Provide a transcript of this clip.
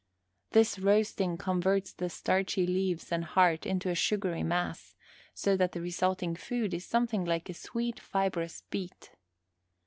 This roasting converts the starchy leaves and heart into a sugary mass, so that the resulting food is something like a sweet fibrous beet.